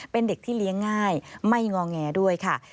เป็นเด็กที่เลี้ยงง่ายไม่งอแงด้วยค่ะ